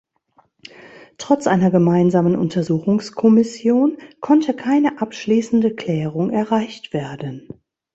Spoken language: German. Trotz einer gemeinsamen Untersuchungskommission konnte keine abschließende Klärung erreicht werden.